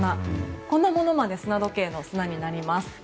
こんなものまで砂時計の砂になります。